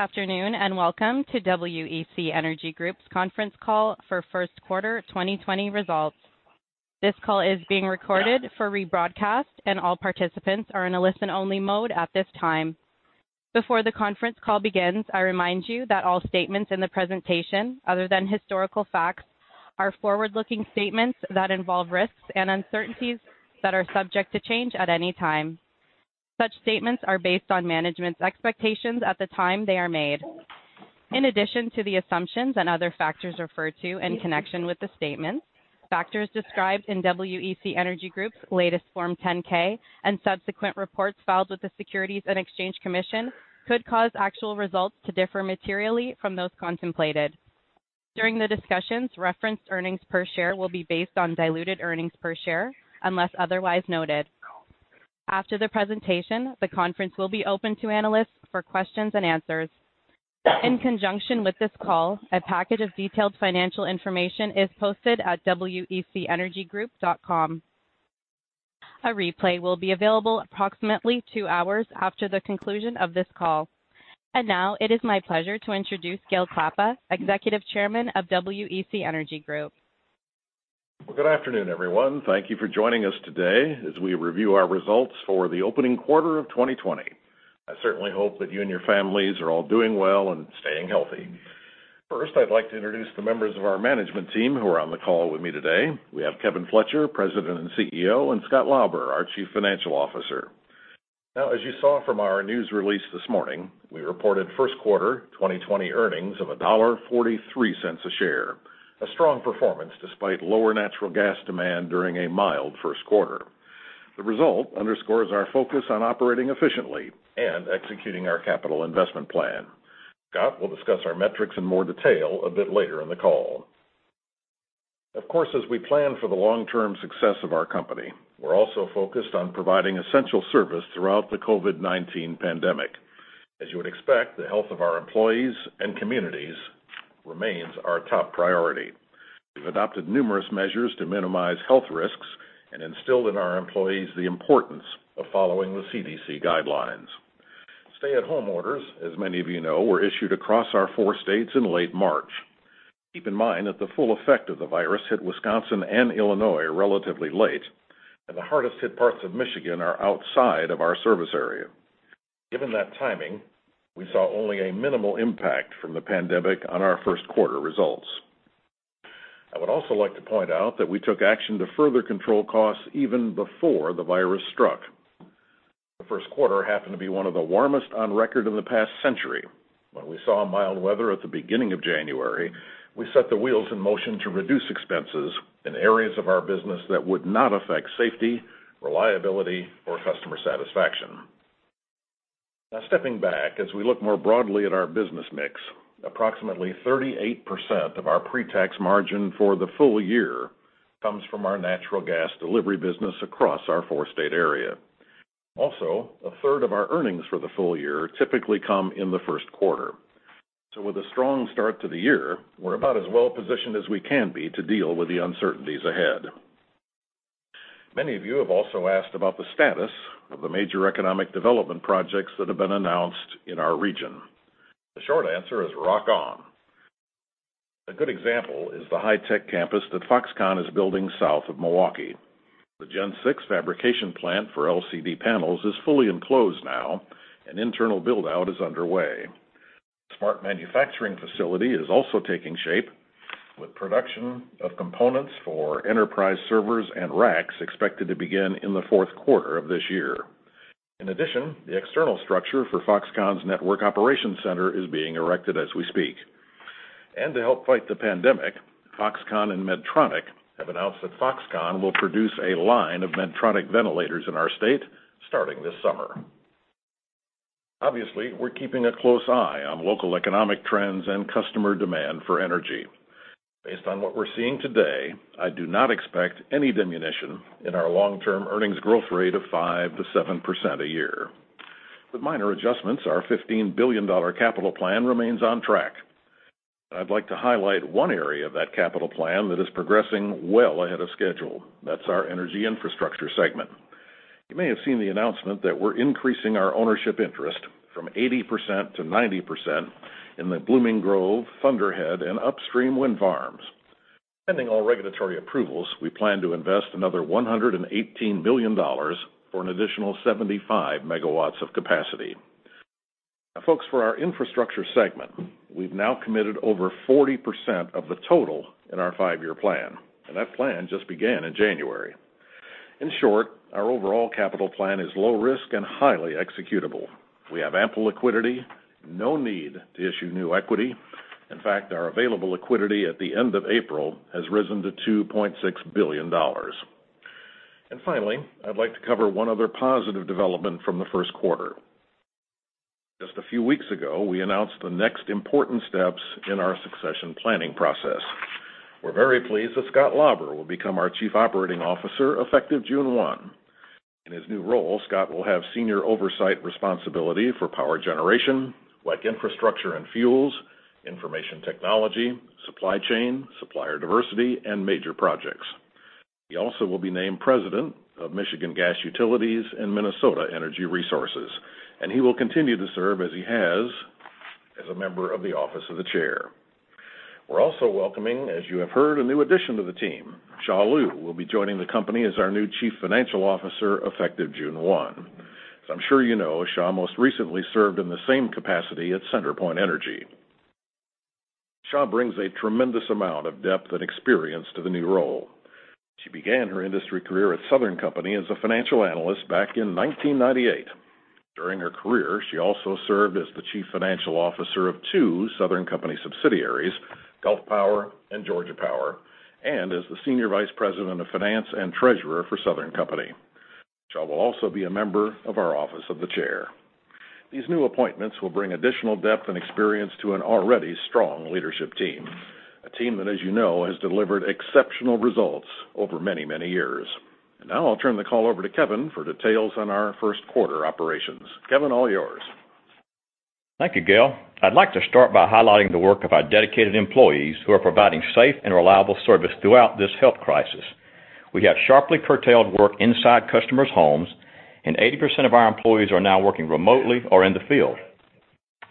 Good afternoon, and welcome to WEC Energy Group's Conference Call for First Quarter 2020 Results. This call is being recorded for rebroadcast, and all participants are in a listen-only mode at this time. Before the conference call begins, I remind you that all statements in the presentation, other than historical facts, are forward-looking statements that involve risks and uncertainties that are subject to change at any time. Such statements are based on management's expectations at the time they are made. In addition to the assumptions and other factors referred to in connection with the statements, factors described in WEC Energy Group's latest Form 10-K and subsequent reports filed with the Securities and Exchange Commission could cause actual results to differ materially from those contemplated. During the discussions, referenced earnings per share will be based on diluted earnings per share unless otherwise noted. After the presentation, the conference will be open to analysts for questions and answers. In conjunction with this call, a package of detailed financial information is posted at wecenergygroup.com. A replay will be available approximately two hours after the conclusion of this call. Now it is my pleasure to introduce Gale Klappa, Executive Chairman of WEC Energy Group. Well, good afternoon, everyone. Thank you for joining us today as we review our results for the opening quarter of 2020. I certainly hope that you and your families are all doing well and staying healthy. First, I'd like to introduce the members of our management team who are on the call with me today. We have Kevin Fletcher, President and CEO, and Scott Lauber, our Chief Financial Officer. As you saw from our news release this morning, we reported first quarter 2020 earnings of $1.43 a share. A strong performance despite lower natural gas demand during a mild first quarter. The result underscores our focus on operating efficiently and executing our capital investment plan. Scott will discuss our metrics in more detail a bit later in the call. Of course, as we plan for the long-term success of our company, we're also focused on providing essential service throughout the COVID-19 pandemic. As you would expect, the health of our employees and communities remains our top priority. We've adopted numerous measures to minimize health risks and instilled in our employees the importance of following the CDC guidelines. Stay-at-home orders, as many of you know, were issued across our four states in late March. Keep in mind that the full effect of the virus hit Wisconsin and Illinois relatively late, and the hardest-hit parts of Michigan are outside of our service area. Given that timing, we saw only a minimal impact from the pandemic on our first quarter results. I would also like to point out that we took action to further control costs even before the virus struck. The first quarter happened to be one of the warmest on record in the past century. When we saw mild weather at the beginning of January, we set the wheels in motion to reduce expenses in areas of our business that would not affect safety, reliability, or customer satisfaction. Stepping back as we look more broadly at our business mix, approximately 38% of our pre-tax margin for the full year comes from our natural gas delivery business across our four-state area. A third of our earnings for the full year typically come in the first quarter. With a strong start to the year, we're about as well-positioned as we can be to deal with the uncertainties ahead. Many of you have also asked about the status of the major economic development projects that have been announced in our region. The short answer is rock on. A good example is the high-tech campus that Foxconn is building south of Milwaukee. The Gen-6 fabrication plant for LCD panels is fully enclosed now, internal build-out is underway. The smart manufacturing facility is also taking shape, with production of components for enterprise servers and racks expected to begin in the fourth quarter of this year. In addition, the external structure for Foxconn's network operations center is being erected as we speak. To help fight the pandemic, Foxconn and Medtronic have announced that Foxconn will produce a line of Medtronic ventilators in our state starting this summer. Obviously, we're keeping a close eye on local economic trends and customer demand for energy. Based on what we're seeing today, I do not expect any diminution in our long-term earnings growth rate of 5%-7% a year. With minor adjustments, our $15 billion capital plan remains on track. I'd like to highlight one area of that capital plan that is progressing well ahead of schedule. That's our energy infrastructure segment. You may have seen the announcement that we're increasing our ownership interest from 80% to 90% in the Blooming Grove, Thunderhead, and Upstream wind farms. Pending all regulatory approvals, we plan to invest another $118 million for an additional 75 MW of capacity. Folks, for our infrastructure segment, we've now committed over 40% of the total in our five-year plan, and that plan just began in January. In short, our overall capital plan is low risk and highly executable. We have ample liquidity, no need to issue new equity. In fact, our available liquidity at the end of April has risen to $2.6 billion. Finally, I'd like to cover one other positive development from the first quarter. Just a few weeks ago, we announced the next important steps in our succession planning process. We're very pleased that Scott Lauber will become our Chief Operating Officer effective June 1. In his new role, Scott will have senior oversight responsibility for power generation like infrastructure and fuels, information technology, supply chain, supplier diversity, and major projects. He also will be named President of Michigan Gas Utilities and Minnesota Energy Resources, and he will continue to serve as he has as a member of the Office of the Chair. We're also welcoming, as you have heard, a new addition to the team. Xia Liu will be joining the company as our new Chief Financial Officer effective June 1. As I'm sure you know, Xia most recently served in the same capacity at CenterPoint Energy. Xia brings a tremendous amount of depth and experience to the new role. She began her industry career at Southern Company as a financial analyst back in 1998. During her career, she also served as the Chief Financial Officer of two Southern Company subsidiaries, Gulf Power and Georgia Power, and as the Senior Vice President of Finance and Treasurer for Southern Company. Xia will also be a member of our Office of the Chair. These new appointments will bring additional depth and experience to an already strong leadership team, a team that, as you know, has delivered exceptional results over many, many years. Now I'll turn the call over to Kevin for details on our first quarter operations. Kevin, all yours. Thank you, Gale. I'd like to start by highlighting the work of our dedicated employees who are providing safe and reliable service throughout this health crisis. We have sharply curtailed work inside customers' homes, and 80% of our employees are now working remotely or in the field.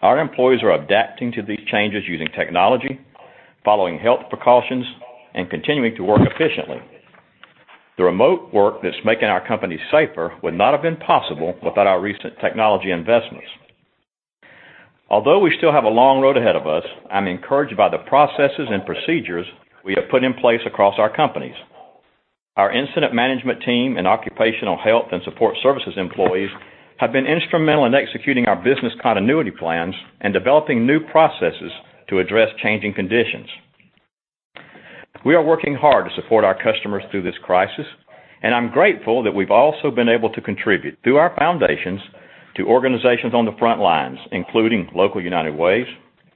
Our employees are adapting to these changes using technology, following health precautions, and continuing to work efficiently. The remote work that's making our company safer would not have been possible without our recent technology investments. Although we still have a long road ahead of us, I'm encouraged by the processes and procedures we have put in place across our companies. Our incident management team and occupational health and support services employees have been instrumental in executing our business continuity plans and developing new processes to address changing conditions. We are working hard to support our customers through this crisis. I'm grateful that we've also been able to contribute through our foundations to organizations on the front lines, including local United Ways,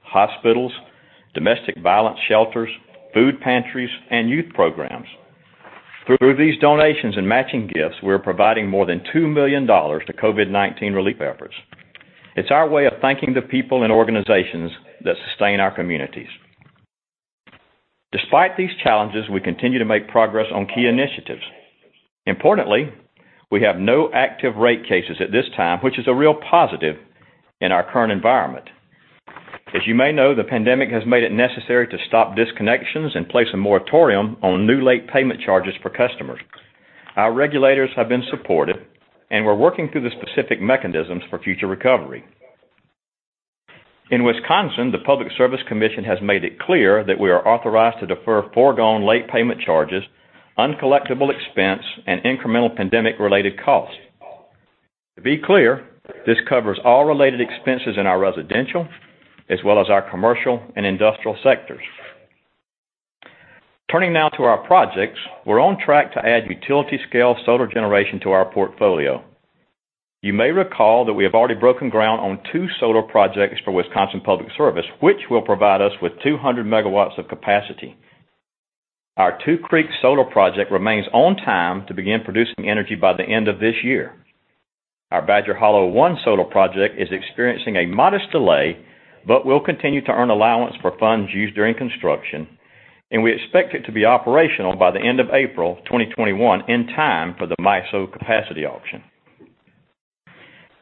hospitals, domestic violence shelters, food pantries, and youth programs. Through these donations and matching gifts, we're providing more than $2 million to COVID-19 relief efforts. It's our way of thanking the people and organizations that sustain our communities. Despite these challenges, we continue to make progress on key initiatives. Importantly, we have no active rate cases at this time, which is a real positive in our current environment. As you may know, the pandemic has made it necessary to stop disconnections and place a moratorium on new late payment charges for customers. Our regulators have been supportive. We're working through the specific mechanisms for future recovery. In Wisconsin, the Public Service Commission has made it clear that we are authorized to defer foregone late payment charges, uncollectible expense, and incremental pandemic-related costs. To be clear, this covers all related expenses in our residential, as well as our commercial and industrial sectors. Turning now to our projects, we're on track to add utility-scale solar generation to our portfolio. You may recall that we have already broken ground on two solar projects for Wisconsin Public Service, which will provide us with 200 MW of capacity. Our Two Creeks Solar Park remains on time to begin producing energy by the end of this year. Our Badger Hollow I solar project is experiencing a modest delay but will continue to earn allowance for funds used during construction, and we expect it to be operational by the end of April 2021 in time for the MISO capacity auction.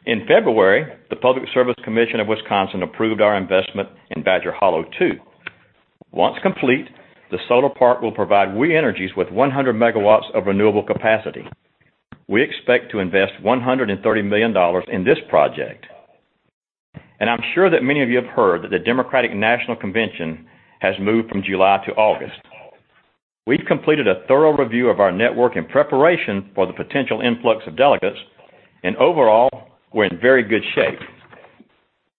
In February, the Public Service Commission of Wisconsin approved our investment in Badger Hollow II. Once complete, the solar park will provide We Energies with 100 MW of renewable capacity. We expect to invest $130 million in this project. I'm sure that many of you have heard that the Democratic National Convention has moved from July to August. We've completed a thorough review of our network in preparation for the potential influx of delegates, overall, we're in very good shape.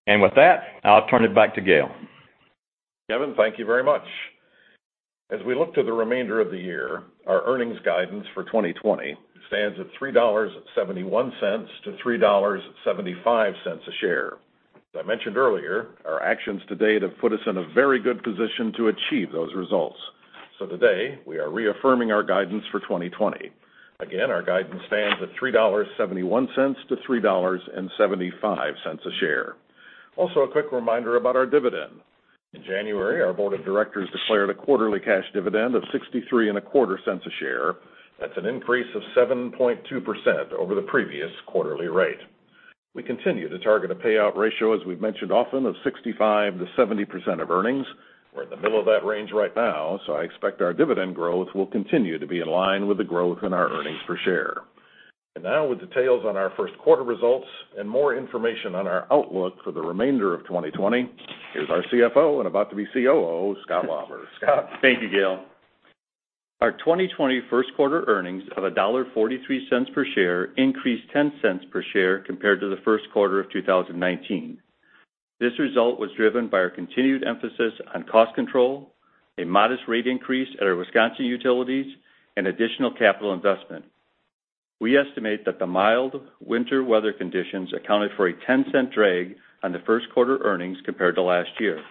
With that, I'll turn it back to Gale. Kevin, thank you very much. As we look to the remainder of the year, our earnings guidance for 2020 stands at $3.71-$3.75 a share. As I mentioned earlier, our actions to date have put us in a very good position to achieve those results. Today, we are reaffirming our guidance for 2020. Again, our guidance stands at $3.71-$3.75 a share. Also, a quick reminder about our dividend. In January, our board of directors declared a quarterly cash dividend of 63 and a quarter cents a share. That's an increase of 7.2% over the previous quarterly rate. We continue to target a payout ratio, as we've mentioned often, of 65%-70% of earnings. We're in the middle of that range right now, so I expect our dividend growth will continue to be in line with the growth in our earnings per share. Now with details on our first quarter results and more information on our outlook for the remainder of 2020, here's our CFO and about to be COO, Scott Lauber. Scott. Thank you, Gale. Our 2020 first quarter earnings of $1.43 per share increased $0.10 per share compared to the first quarter of 2019. This result was driven by our continued emphasis on cost control, a modest rate increase at our Wisconsin utilities, and additional capital investment. We estimate that the mild winter weather conditions accounted for a $0.10 drag on the first quarter earnings compared to last year.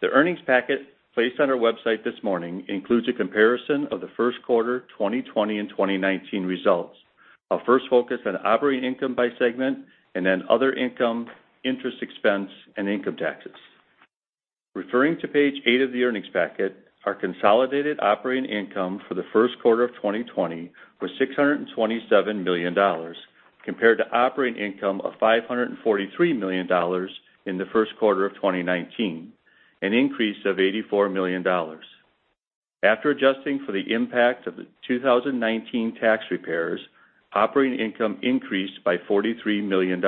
The earnings packet placed on our website this morning includes a comparison of the first quarter 2020 and 2019 results. I'll first focus on operating income by segment and then other income, interest expense, and income taxes. Referring to page eight of the earnings packet, our consolidated operating income for the first quarter of 2020 was $627 million compared to operating income of $543 million in the first quarter of 2019, an increase of $84 million. After adjusting for the impact of the 2019 tax repairs, operating income increased by $43 million.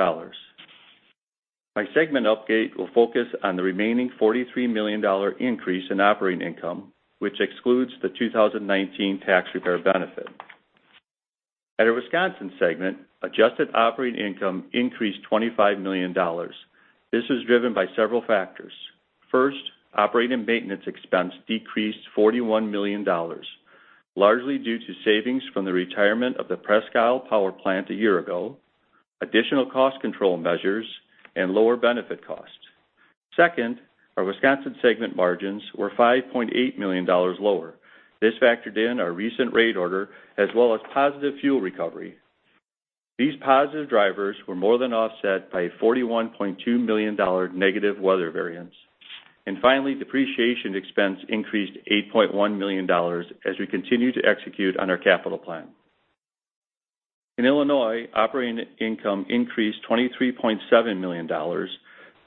My segment update will focus on the remaining $43 million increase in operating income, which excludes the 2019 tax repair benefit. At our Wisconsin segment, adjusted operating income increased $25 million. This was driven by several factors. First, operating maintenance expense decreased $41 million, largely due to savings from the retirement of the Presque Isle power plant a year ago, additional cost control measures, and lower benefit costs. Second, our Wisconsin segment margins were $5.8 million lower. This factored in our recent rate order as well as positive fuel recovery. These positive drivers were more than offset by a $41.2 million negative weather variance. Finally, depreciation expense increased $8.1 million as we continue to execute on our capital plan. In Illinois, operating income increased $23.7 million,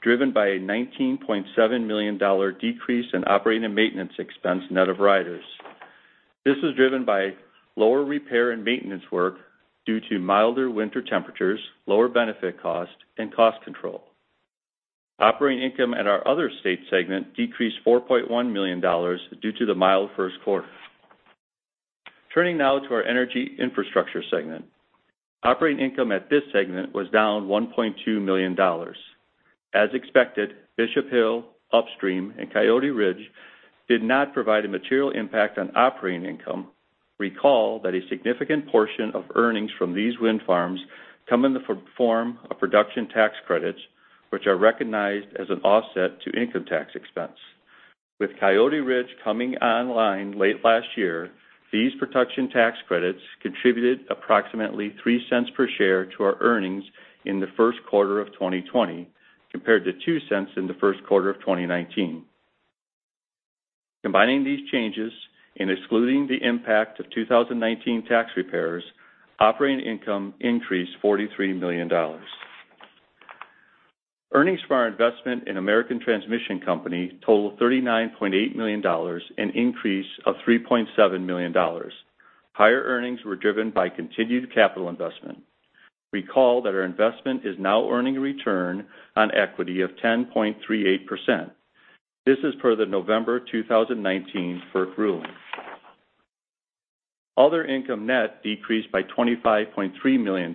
driven by a $19.7 million decrease in operating and maintenance expense net of riders. This was driven by lower repair and maintenance work due to milder winter temperatures, lower benefit cost, and cost control. Operating income at our Other State segment decreased $4.1 million due to the mild first quarter. Turning now to our Energy Infrastructure segment. Operating income at this segment was down $1.2 million. As expected, Bishop Hill, Upstream, and Coyote Ridge did not provide a material impact on operating income. Recall that a significant portion of earnings from these wind farms come in the form of production tax credits, which are recognized as an offset to income tax expense. With Coyote Ridge coming online late last year, these production tax credits contributed approximately $0.03 per share to our earnings in the first quarter of 2020 compared to $0.02 in the first quarter of 2019. Combining these changes and excluding the impact of 2019 tax repairs, operating income increased $43 million. Earnings for our investment in American Transmission Company totaled $39.8 million, an increase of $3.7 million. Higher earnings were driven by continued capital investment. Recall that our investment is now earning a return on equity of 10.38%. This is per the November 2019 FERC ruling. Other income net decreased by $25.3 million,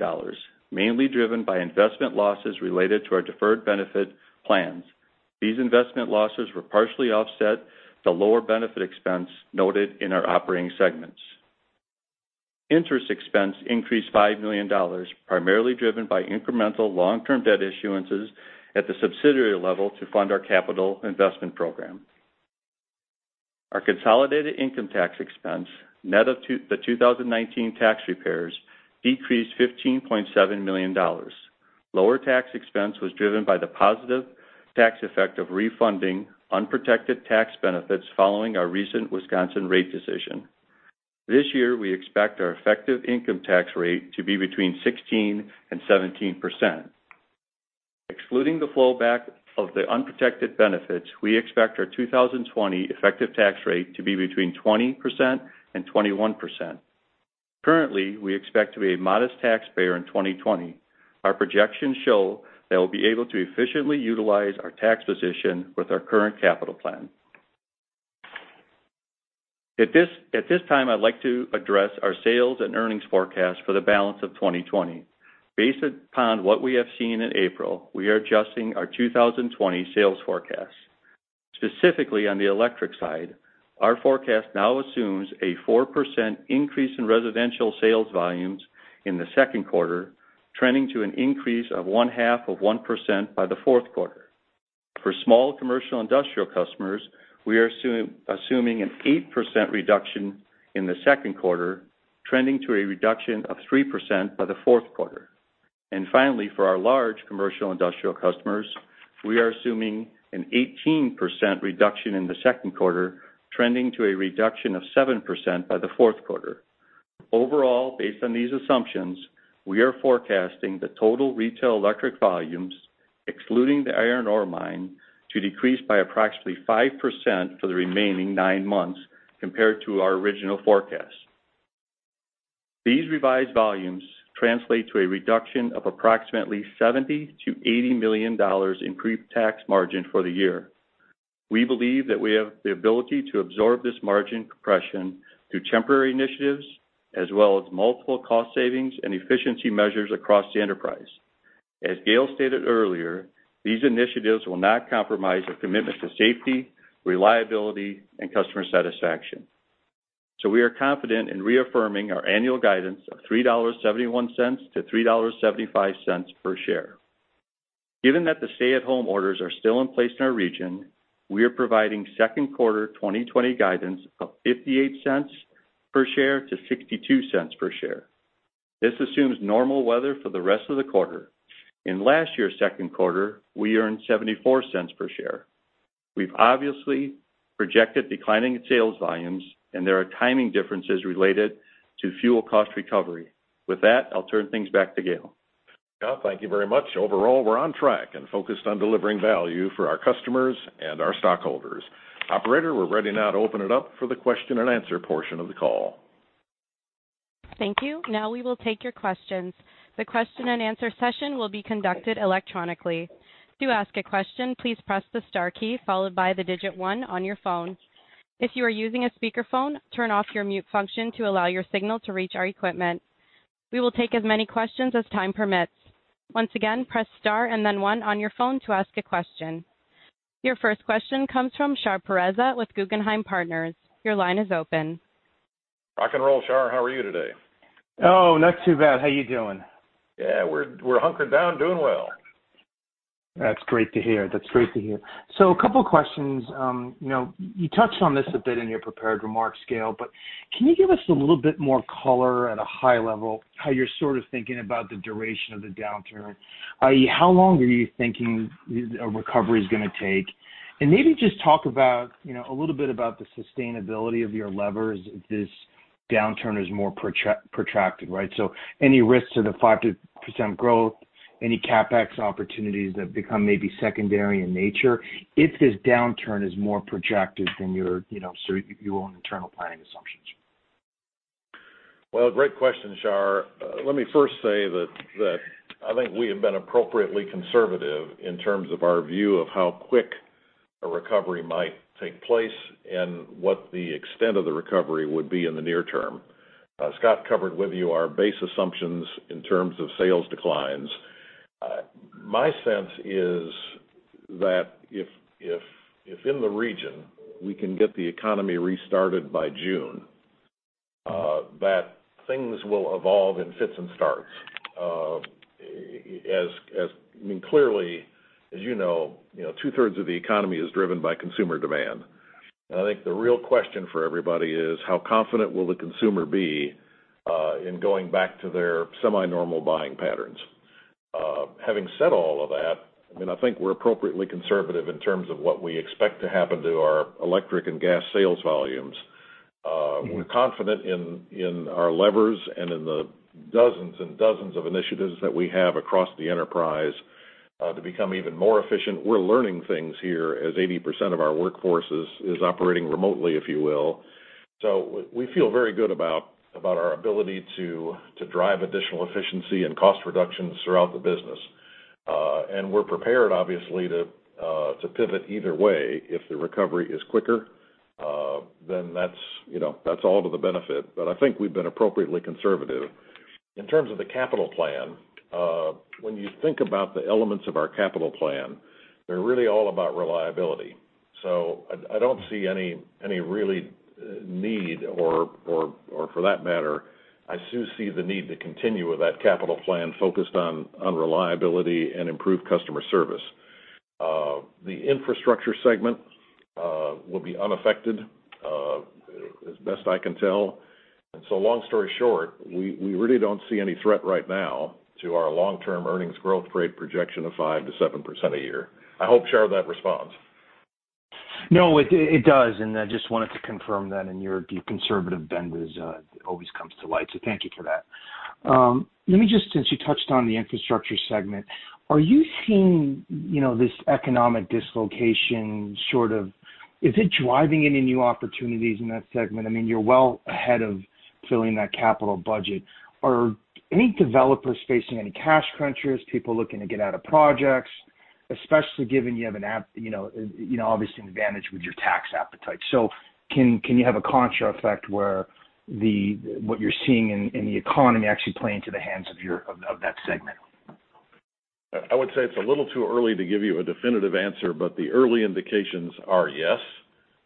mainly driven by investment losses related to our deferred benefit plans. These investment losses were partially offset the lower benefit expense noted in our operating segments. Interest expense increased $5 million, primarily driven by incremental long-term debt issuances at the subsidiary level to fund our capital investment program. Our consolidated income tax expense, net of the 2019 tax repairs, decreased $15.7 million. Lower tax expense was driven by the positive tax effect of refunding unprotected tax benefits following our recent Wisconsin rate decision. This year, we expect our effective income tax rate to be between 16% and 17%. Excluding the flow-back of the unprotected benefits, we expect our 2020 effective tax rate to be between 20% and 21%. Currently, we expect to be a modest taxpayer in 2020. Our projections show that we'll be able to efficiently utilize our tax position with our current capital plan. At this time, I'd like to address our sales and earnings forecast for the balance of 2020. Based upon what we have seen in April, we are adjusting our 2020 sales forecast. Specifically, on the electric side, our forecast now assumes a 4% increase in residential sales volumes in the second quarter, trending to an increase of one-half of 1% by the fourth quarter. For small commercial industrial customers, we are assuming an 8% reduction in the second quarter, trending to a reduction of 3% by the fourth quarter. Finally, for our large commercial industrial customers, we are assuming an 18% reduction in the second quarter, trending to a reduction of 7% by the fourth quarter. Overall, based on these assumptions, we are forecasting the total retail electric volumes, excluding the iron ore mine, to decrease by approximately 5% for the remaining nine months compared to our original forecast. These revised volumes translate to a reduction of approximately $70 million-$80 million in pre-tax margin for the year. We believe that we have the ability to absorb this margin compression through temporary initiatives as well as multiple cost savings and efficiency measures across the enterprise. As Gale stated earlier, these initiatives will not compromise our commitment to safety, reliability, and customer satisfaction. We are confident in reaffirming our annual guidance of $3.71-$3.75 per share. Given that the stay-at-home orders are still in place in our region, we are providing second quarter 2020 guidance of $0.58 per share-$0.62 per share. This assumes normal weather for the rest of the quarter. In last year's second quarter, we earned $0.74 per share. We've obviously projected declining sales volumes, and there are timing differences related to fuel cost recovery. With that, I'll turn things back to Gale. Gale, thank you very much. Overall, we're on track and focused on delivering value for our customers and our stockholders. Operator, we're ready now to open it up for the question and answer portion of the call. Thank you. Now we will take your questions. The question and answer session will be conducted electronically. To ask a question, please press the star key, followed by the digit one on your phone. If you are using a speakerphone, turn off your mute function to allow your signal to reach our equipment. We will take as many questions as time permits. Once again, press star and then one on your phone to ask a question. Your first question comes from Shar Pourreza with Guggenheim Partners. Your line is open. Rock and roll, Shar. How are you today? Oh, not too bad. How you doing? Yeah, we're hunkered down, doing well. That's great to hear. A couple questions. You touched on this a bit in your prepared remarks, Gale, but can you give us a little bit more color at a high level how you're sort of thinking about the duration of the downturn? I.e., how long are you thinking a recovery is going to take? Maybe just talk a little bit about the sustainability of your levers if this downturn is more protracted. Any risks to the 5% growth, any CapEx opportunities that become maybe secondary in nature if this downturn is more projected than your own internal planning assumptions. Well, great question, Shar. Let me first say that I think we have been appropriately conservative in terms of our view of how quick a recovery might take place and what the extent of the recovery would be in the near-term. Scott covered with you our base assumptions in terms of sales declines. My sense is that if in the region we can get the economy restarted by June, that things will evolve in fits and starts. Clearly, as you know, two-thirds of the economy is driven by consumer demand, and I think the real question for everybody is how confident will the consumer be in going back to their semi-normal buying patterns? Having said all of that, I think we're appropriately conservative in terms of what we expect to happen to our electric and gas sales volumes. We're confident in our levers and in the dozens and dozens of initiatives that we have across the enterprise to become even more efficient. We're learning things here as 80% of our workforce is operating remotely, if you will. We feel very good about our ability to drive additional efficiency and cost reductions throughout the business. We're prepared, obviously, to pivot either way. If the recovery is quicker, that's all to the benefit. I think we've been appropriately conservative. In terms of the capital plan, when you think about the elements of our capital plan, they're really all about reliability. I don't see any really need or for that matter, I soon see the need to continue with that capital plan focused on reliability and improved customer service. The infrastructure segment will be unaffected, as best I can tell. Long story short, we really don't see any threat right now to our long-term earnings growth rate projection of 5%-7% a year. I hope, Shar, that responds. No, it does, and I just wanted to confirm that. Your conservative bend always comes to light, so thank you for that. Let me just, since you touched on the infrastructure segment, are you seeing this economic dislocation driving any new opportunities in that segment? You're well ahead of filling that capital budget. Are any developers facing any cash crunches, people looking to get out of projects, especially given you have, obviously, an advantage with your tax appetite? Can you have a contra effect where what you're seeing in the economy actually play into the hands of that segment? I would say it's a little too early to give you a definitive answer, but the early indications are, yes,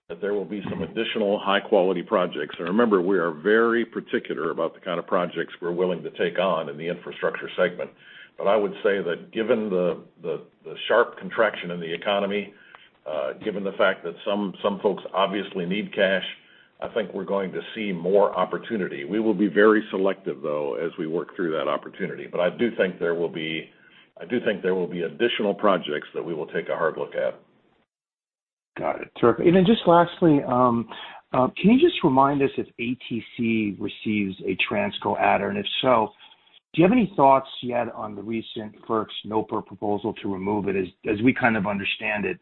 that there will be some additional high-quality projects. Remember, we are very particular about the kind of projects we're willing to take on in the infrastructure segment. I would say that given the sharp contraction in the economy, given the fact that some folks obviously need cash, I think we're going to see more opportunity. We will be very selective, though, as we work through that opportunity. I do think there will be additional projects that we will take a hard look at. Got it. Terrific. Just lastly, can you just remind us if ATC receives a Transco adder? If so, do you have any thoughts yet on the recent FERC's NOPR proposal to remove it? As we kind of understand it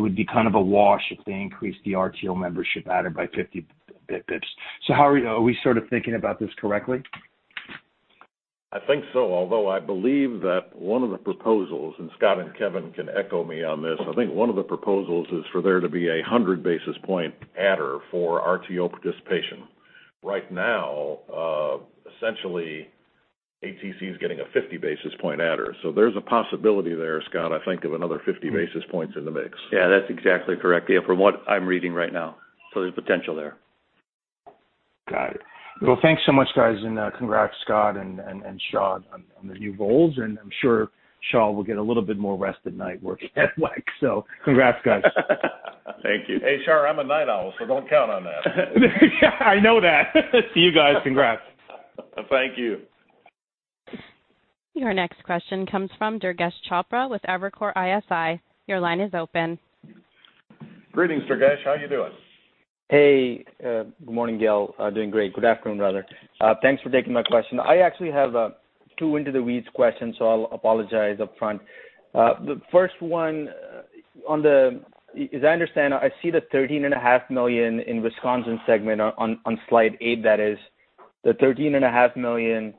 would be kind of a wash if they increase the RTO membership adder by 50 basis points. Are we sort of thinking about this correctly? I think so. Although I believe that one of the proposals, and Scott and Kevin can echo me on this, I think one of the proposals is for there to be a 100-basis point adder for RTO participation. Right now, essentially, ATC is getting a 50-basis point adder. There's a possibility there, Scott, I think, of another 50 basis points in the mix. Yeah, that's exactly correct, Gale, from what I'm reading right now. There's potential there. Got it. Thanks so much, guys. Congrats, Scott and Xia, on the new roles. I'm sure Xia will get a little bit more rest at night working at WEC. Congrats, guys. Thank you. HR, I'm a night owl, so don't count on that. I know that. See you guys. Congrats. Thank you. Your next question comes from Durgesh Chopra with Evercore ISI. Your line is open. Greetings, Durgesh. How are you doing? Hey, good morning, Gale. Doing great. Good afternoon, rather. Thanks for taking my question. I actually have two into-the-weeds questions. I'll apologize upfront. The first one, as I understand, I see the $13.5 million in Wisconsin segment on Slide eight that is. The $13.5 million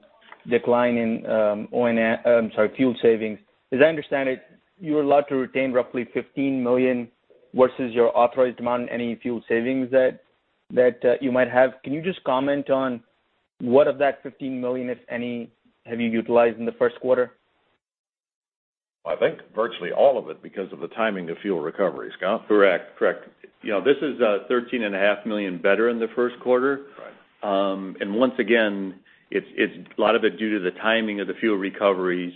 decline in fuel savings. As I understand it, you're allowed to retain roughly $15 million versus your authorized amount in any fuel savings that you might have. Can you just comment on what of that $15 million, if any, have you utilized in the first quarter? I think virtually all of it because of the timing of fuel recovery. Scott? Correct. This is $13.5 million better in the first quarter. Right. Once again, a lot of it due to the timing of the fuel recoveries.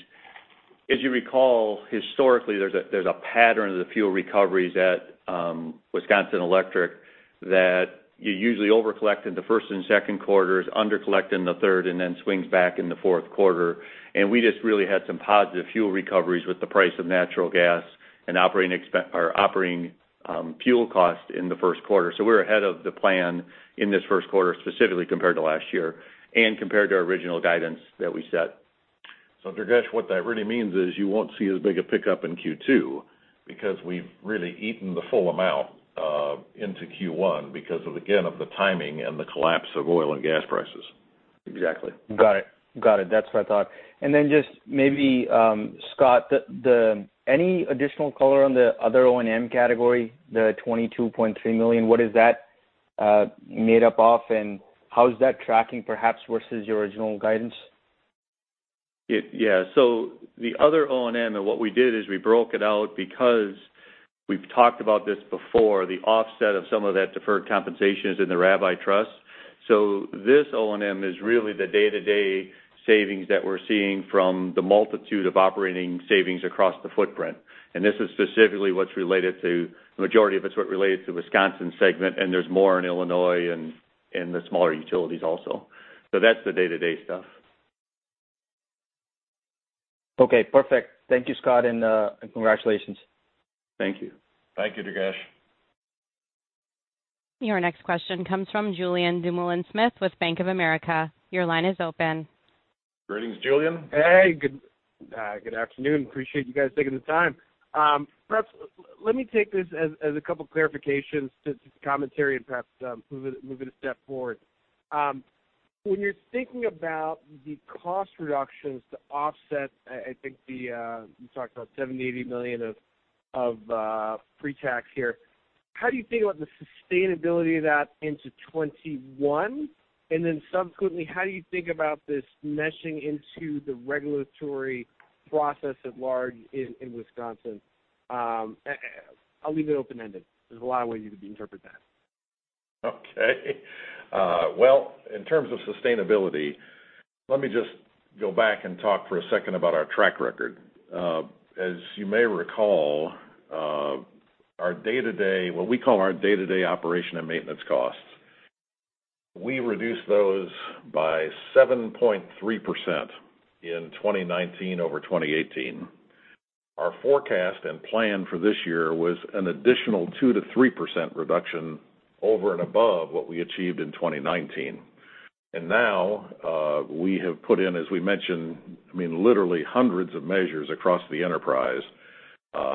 As you recall, historically, there's a pattern of the fuel recoveries at Wisconsin Electric that you usually over-collect in the first and second quarters, under-collect in the third, and then swings back in the fourth quarter. We just really had some positive fuel recoveries with the price of natural gas and operating fuel cost in the first quarter. We're ahead of the plan in this first quarter, specifically compared to last year and compared to our original guidance that we set. Durgesh, what that really means is you won't see as big a pickup in Q2 because we've really eaten the full amount into Q1 because of, again, of the timing and the collapse of oil and gas prices. Exactly. Got it. That's what I thought. Just maybe, Scott, any additional color on the other O&M category, the $22.3 million? What is that made up of, and how is that tracking perhaps versus your original guidance? Yeah. The other O&M, what we did is we broke it out because we've talked about this before, the offset of some of that deferred compensation is in the Rabbi trust. This O&M is really the day-to-day savings that we're seeing from the multitude of operating savings across the footprint. This is specifically what's related to, the majority of it's what related to Wisconsin segment, and there's more in Illinois and the smaller utilities also. That's the day-to-day stuff. Okay, perfect. Thank you, Scott, and congratulations. Thank you. Thank you, Durgesh. Your next question comes from Julien Dumoulin-Smith with Bank of America. Your line is open. Greetings, Julien. Hey. Good afternoon. Appreciate you guys taking the time. Perhaps let me take this as a couple clarifications to commentary and perhaps move it a step forward. When you're thinking about the cost reductions to offset, I think you talked about $70 million-$80 million of pre-tax here. How do you think about the sustainability of that into 2021? Subsequently, how do you think about this meshing into the regulatory process at large in Wisconsin? I'll leave it open-ended. There's a lot of ways you could interpret that. Well, in terms of sustainability, let me just go back and talk for a second about our track record. As you may recall, what we call our day-to-day operation and maintenance costs, we reduced those by 7.3% in 2019 over 2018. Our forecast and plan for this year was an additional 2%-3% reduction over and above what we achieved in 2019. Now, we have put in, as we mentioned, literally hundreds of measures across the enterprise.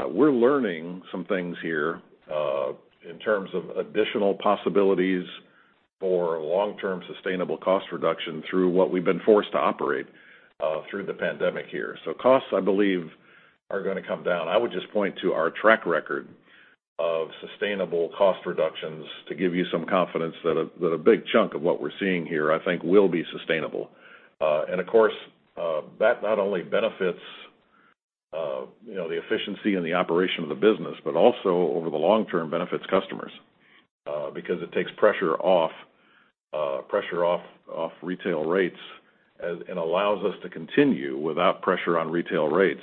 We're learning some things here in terms of additional possibilities for long-term sustainable cost reduction through what we've been forced to operate through the pandemic here. Costs, I believe, are going to come down. I would just point to our track record of sustainable cost reductions to give you some confidence that a big chunk of what we're seeing here, I think, will be sustainable. Of course, that not only benefits the efficiency and the operation of the business, but also over the long-term, benefits customers. It takes pressure off retail rates and allows us to continue, without pressure on retail rates,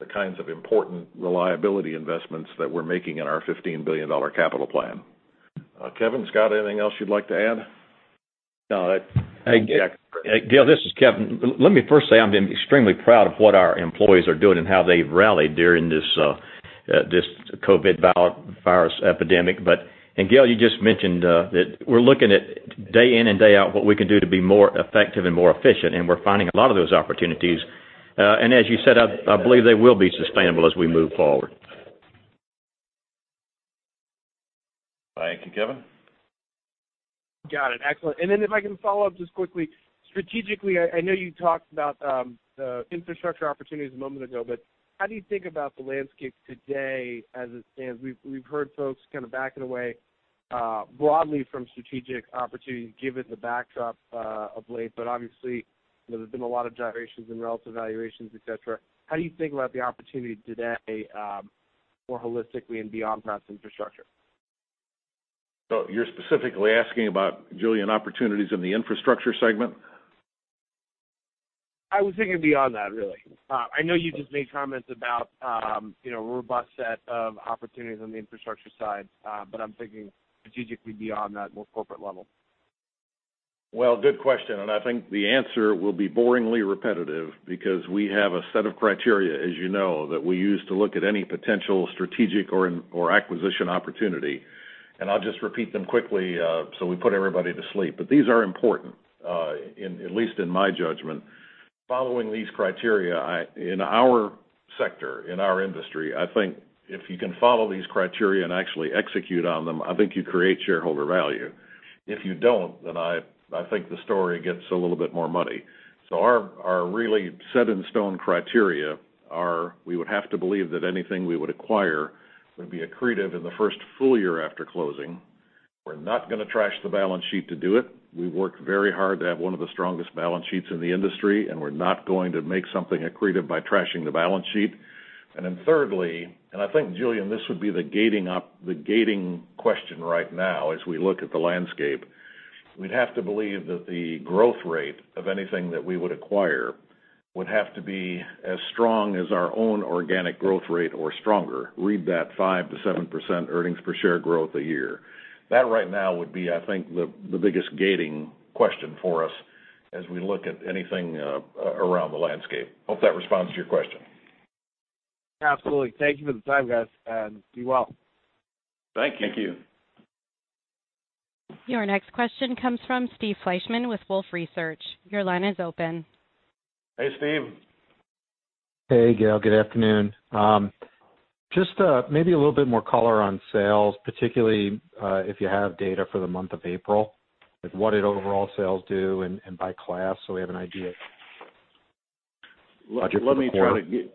the kinds of important reliability investments that we're making in our $15 billion capital plan. Kevin, Scott, anything else you'd like to add? No. Exactly. Hey, Gale, this is Kevin. Let me first say I'm extremely proud of what our employees are doing and how they've rallied during this COVID-19. Gale, you just mentioned that we're looking at day in and day out what we can do to be more effective and more efficient, and we're finding a lot of those opportunities. As you said, I believe they will be sustainable as we move forward. Thank you, Kevin. Got it. Excellent. Then if I can follow up just quickly. Strategically, I know you talked about the infrastructure opportunities a moment ago, but how do you think about the landscape today as it stands? We've heard folks kind of backing away broadly from strategic opportunities given the backdrop of late, but obviously, there's been a lot of gyrations in relative valuations, et cetera. How do you think about the opportunity today more holistically and beyond perhaps infrastructure? You're specifically asking about, Julien, opportunities in the infrastructure segment? I was thinking beyond that, really. I know you just made comments about a robust set of opportunities on the infrastructure side, but I'm thinking strategically beyond that, more corporate level. Well, good question. I think the answer will be boringly repetitive because we have a set of criteria, as you know, that we use to look at any potential strategic or acquisition opportunity. I'll just repeat them quickly, so we put everybody to sleep. These are important, at least in my judgment. Following these criteria in our sector, in our industry, I think if you can follow these criteria and actually execute on them, I think you create shareholder value. If you don't, I think the story gets a little bit more muddy. Our really set-in-stone criteria are: we would have to believe that anything we would acquire would be accretive in the first full year after closing. We're not going to trash the balance sheet to do it. We worked very hard to have one of the strongest balance sheets in the industry, and we're not going to make something accretive by trashing the balance sheet. Thirdly, I think, Julien, this would be the gating question right now as we look at the landscape: we'd have to believe that the growth rate of anything that we would acquire would have to be as strong as our own organic growth rate or stronger. Read that 5%-7% earnings per share growth a year. That right now would be, I think, the biggest gating question for us as we look at anything around the landscape. Hope that responds to your question. Absolutely. Thank you for the time, guys, and be well. Thank you. Thank you. Your next question comes from Steve Fleishman with Wolfe Research. Your line is open. Hey, Steve. Hey, Gale, good afternoon. Just maybe a little bit more color on sales, particularly if you have data for the month of April. Like what did overall sales do and by class, so we have an idea? Yep. We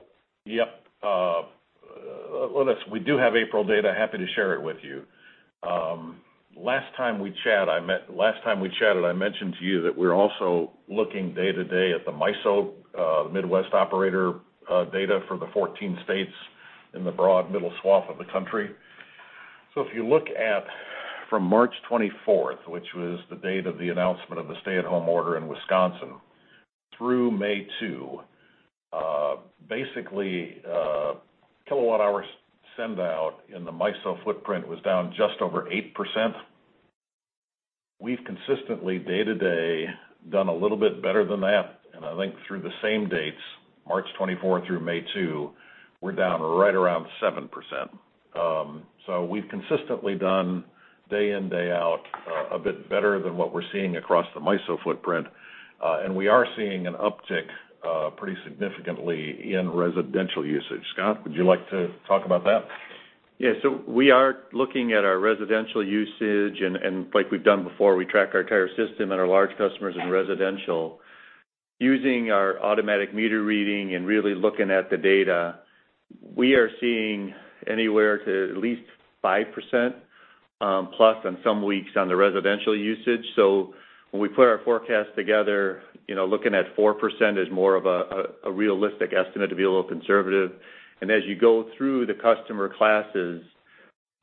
do have April data. Happy to share it with you. Last time we chatted, I mentioned to you that we're also looking day to day at the MISO, the Midwest operator data for the 14 states in the broad middle swath of the country. If you look at from March 24, which was the date of the announcement of the stay-at-home order in Wisconsin, through May 2, basically, kilowatt hours sendout in the MISO footprint was down just over 8%. We've consistently, day-to-day, done a little bit better than that. I think through the same dates, March 24 through May 2, we're down right around 7%. We've consistently done, day in, day out, a bit better than what we're seeing across the MISO footprint. We are seeing an uptick pretty significantly in residential usage. Scott, would you like to talk about that? Yeah. We are looking at our residential usage, and like we've done before, we track our entire system and our large customers in residential. Using our automatic meter reading and really looking at the data, we are seeing anywhere to at least 5%+ in some weeks on the residential usage. When we put our forecast together, looking at 4% is more of a realistic estimate to be a little conservative. As you go through the customer classes,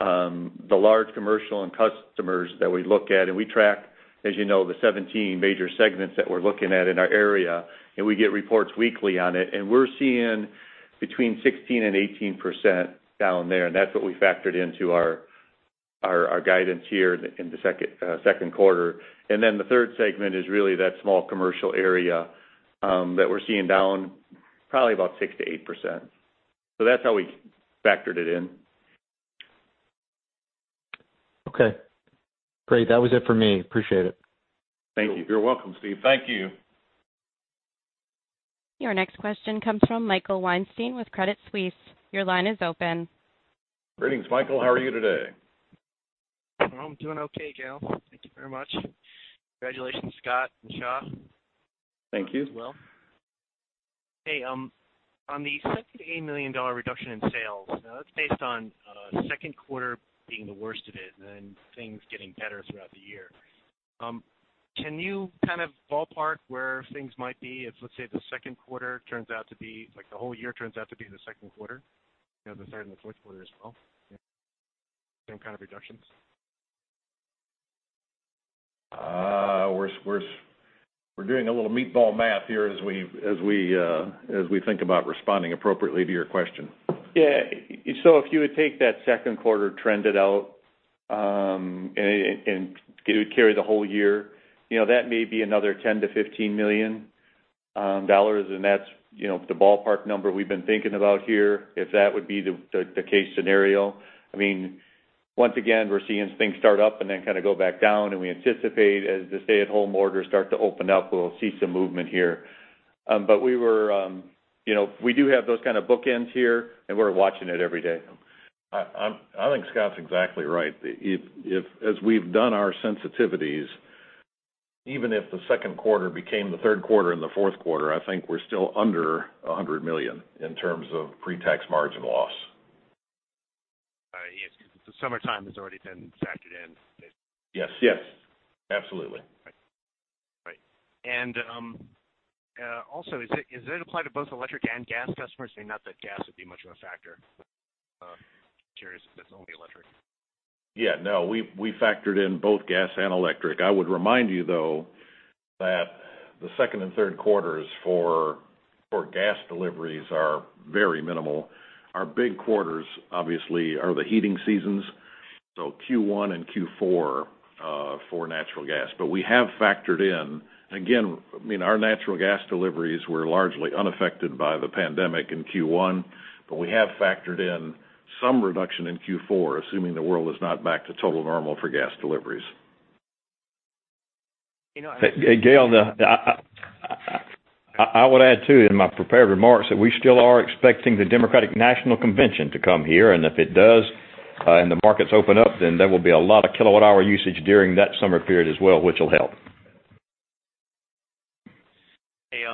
the large commercial and customers that we look at, and we track, as you know, the 17 major segments that we're looking at in our area, and we get reports weekly on it, and we're seeing between 16%-18% down there, and that's what we factored into our guidance here in the second quarter. The third segment is really that small commercial area that we're seeing down probably about 6%-8%. That's how we factored it in. Okay, great. That was it for me. Appreciate it. Thank you. You're welcome, Steve. Thank you. Your next question comes from Michael Weinstein with Credit Suisse. Your line is open. Greetings, Michael. How are you today? I'm doing okay, Gale. Thank you very much. Congratulations, Scott and Xia. Thank you. As well. On the $78 million reduction in sales, that's based on second quarter being the worst of it and then things getting better throughout the year. Can you kind of ballpark where things might be if, let's say, the second quarter turns out to be, like the whole year turns out to be the second quarter? You know, the third and the fourth quarter as well? Same kind of reductions? We're doing a little meatball math here as we think about responding appropriately to your question. If you would take that second quarter trended out, and it would carry the whole year, that may be another $10 million-$15 million, and that's the ballpark number we've been thinking about here, if that would be the case scenario. Once again, we're seeing things start up and then kind of go back down. We anticipate as the stay-at-home orders start to open up, we'll see some movement here. We do have those kind of bookends here, and we're watching it every day. I think Scott's exactly right. As we've done our sensitivities, even if the second quarter became the third quarter and the fourth quarter, I think we're still under $100 million in terms of pre-tax margin loss. Yes, because the summertime has already been factored in, basically. Yes. Absolutely. Right. Also, does it apply to both electric and gas customers? Not that gas would be much of a factor. I'm curious if it's only electric. Yeah, no, we factored in both gas and electric. I would remind you, though, that the second and third quarters for gas deliveries are very minimal. Our big quarters, obviously, are the heating seasons, Q1 and Q4 for natural gas. We have factored in. Again, our natural gas deliveries were largely unaffected by the pandemic in Q1, but we have factored in some reduction in Q4, assuming the world is not back to total normal for gas deliveries. You know. Hey, Gale, I would add, too, in my prepared remarks, that we still are expecting the Democratic National Convention to come here, and if it does, and the markets open up, then there will be a lot of kilowatt-hour usage during that summer period as well, which will help. Hey,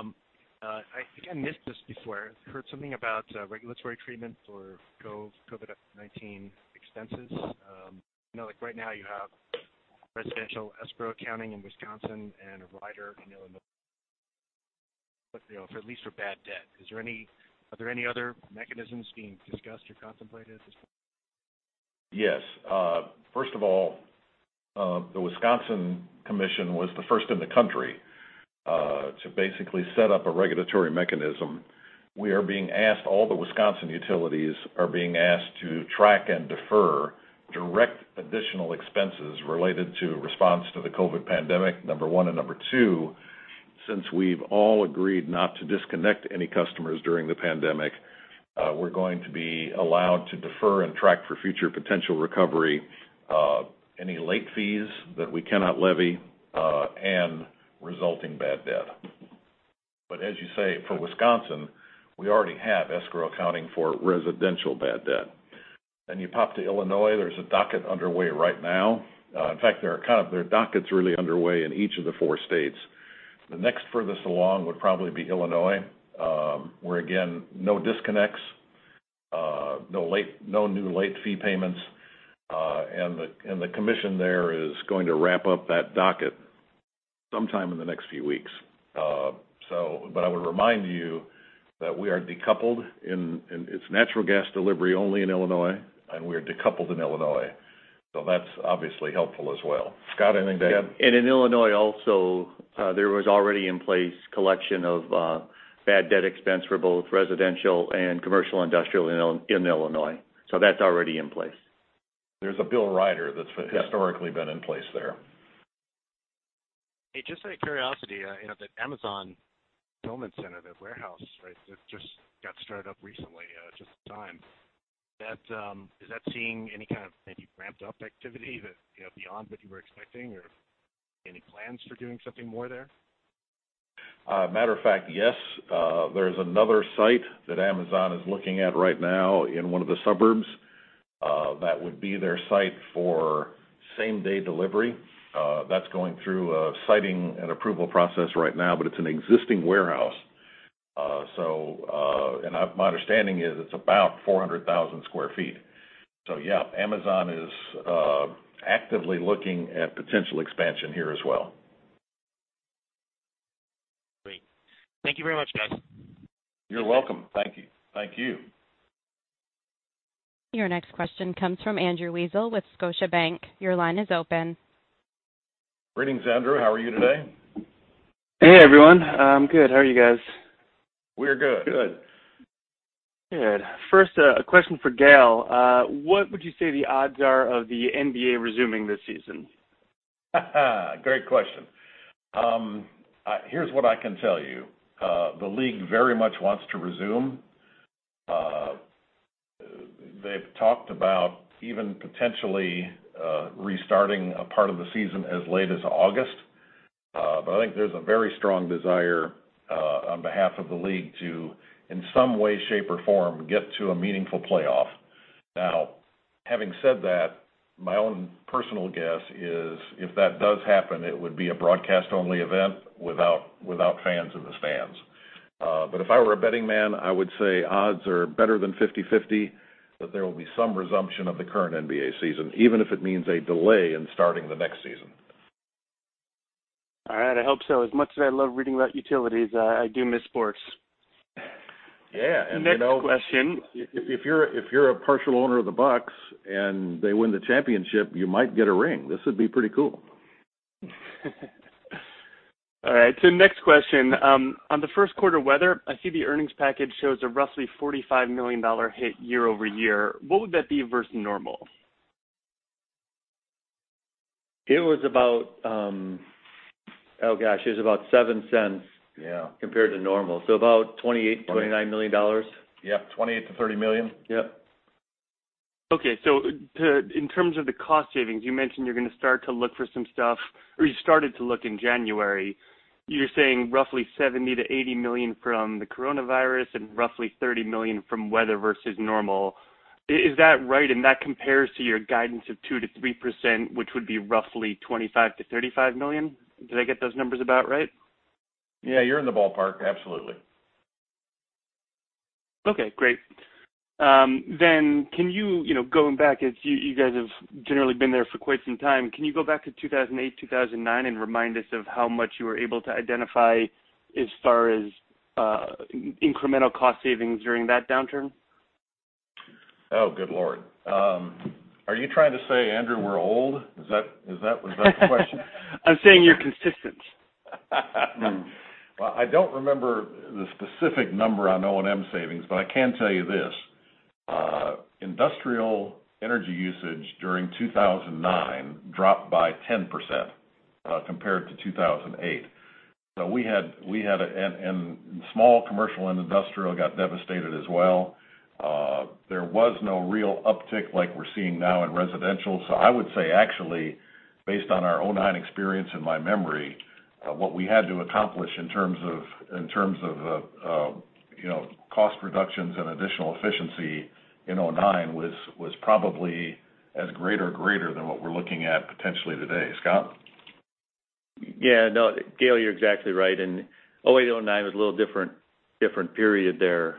I think I missed this before. I heard something about regulatory treatments or COVID-19 expenses. I know right now you have residential escrow accounting in Wisconsin and a rider in Illinois, at least for bad debt. Are there any other mechanisms being discussed or contemplated at this point? Yes. First of all, the Wisconsin Commission was the first in the country to basically set up a regulatory mechanism. All the Wisconsin utilities are being asked to track and defer direct additional expenses related to response to the COVID pandemic, number one, and number two, since we've all agreed not to disconnect any customers during the pandemic, we're going to be allowed to defer and track for future potential recovery any late fees that we cannot levy and resulting bad debt. As you say, for Wisconsin, we already have escrow accounting for residential bad debt. You pop to Illinois, there's a docket underway right now. In fact, there are dockets really underway in each of the four states. The next furthest along would probably be Illinois, where again, no disconnects, no new late fee payments, and the commission there is going to wrap up that docket sometime in the next few weeks. I would remind you that we are decoupled. It's natural gas delivery only in Illinois, and we are decoupled in Illinois, so that's obviously helpful as well. Scott, anything to add? In Illinois also, there was already in place collection of bad debt expense for both residential and commercial industrial in Illinois. That's already in place. There's a bill rider that's historically been in place there. Hey, just out of curiosity, that Amazon fulfillment center, the warehouse, right, that just got started up recently, just in time, is that seeing any kind of ramped-up activity beyond what you were expecting? Any plans for doing something more there? Matter of fact, yes. There's another site that Amazon is looking at right now in one of the suburbs. That would be their site for same-day delivery. That's going through a siting and approval process right now, but it's an existing warehouse. My understanding is it's about 400,000 sq ft. Yeah, Amazon is actively looking at potential expansion here as well. Great. Thank you very much, guys. You're welcome. Thank you. Thank you. Your next question comes from Andrew Weisel with Scotiabank. Your line is open. Greetings, Andrew. How are you today? Hey, everyone. I'm good. How are you guys? We're good. Good. Good. First, a question for Gale. What would you say the odds are of the NBA resuming this season? Great question. Here's what I can tell you. The league very much wants to resume. They've talked about even potentially restarting a part of the season as late as August. I think there's a very strong desire on behalf of the league to, in some way, shape, or form, get to a meaningful playoff. Having said that, my own personal guess is if that does happen, it would be a broadcast-only event without fans in the stands. If I were a betting man, I would say odds are better than 50/50 that there will be some resumption of the current NBA season, even if it means a delay in starting the next season. All right. I hope so. As much as I love reading about utilities, I do miss sports. Yeah. you know. Next question? if you're a partial owner of the Bucks and they win the championship, you might get a ring. This would be pretty cool. All right, next question. On the first quarter weather, I see the earnings package shows a roughly $45 million hit year-over-year. What would that be versus normal? It was about, oh gosh, it was about $0.07. Yeah compared to normal, so about $28 million-$29 million. Yep, $28 million-$30 million. Yep. Okay. In terms of the cost savings, you mentioned you're going to start to look for some stuff, or you started to look in January. You're saying roughly $70 million-$80 million from the COVID-19 and roughly $30 million from weather versus normal. Is that right? That compares to your guidance of 2%-3%, which would be roughly $25 million-$35 million? Did I get those numbers about right? You're in the ballpark. Absolutely. Okay, great. Can you, going back, as you guys have generally been there for quite some time, can you go back to 2008, 2009, and remind us of how much you were able to identify as far as incremental cost savings during that downturn? Oh, good Lord. Are you trying to say, Andrew, we're old? Is that the question? I'm saying you're consistent. Well, I don't remember the specific number on O&M savings. I can tell you this. Industrial energy usage during 2009 dropped by 10% compared to 2008. Small commercial and industrial got devastated as well. There was no real uptick like we're seeing now in residential. I would say actually, based on our 2009 experience and my memory, what we had to accomplish in terms of cost reductions and additional efficiency in 2009 was probably as great or greater than what we're looking at potentially today. Scott? Yeah, no, Gale, you're exactly right. 2008, 2009 was a little different period there.